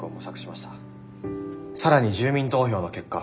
更に住民投票の結果